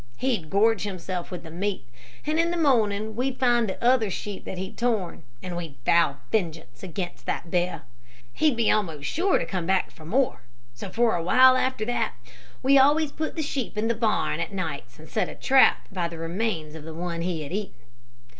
He'd gorge himself with the meat, and in the morning we'd find the other sheep that he'd torn, and we'd vow vengeance against that bear. He'd be almost sure to come back for more, so for a while after that we always put the sheep in the barn at nights and set a trap by the remains of the one he had eaten.